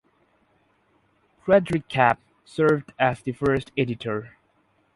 Friedrich Kapp served as the first editor.